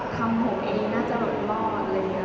ทำผมเองน่าจะรอยรอดอะไรอย่างเงี้ยค่ะ